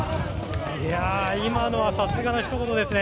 今のはさすがのひと言ですね。